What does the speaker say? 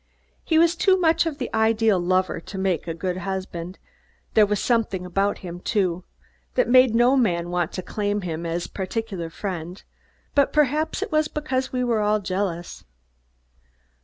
He was too much of the ideal lover to make a good husband. There was something about him, too, that made no man want to claim him as a particular friend, but perhaps it was because we were all jealous.